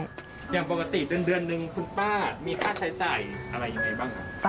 อย่างปกติเดือนนึงคุณป้ามีค่าใช้จ่ายอะไรยังไงบ้างครับ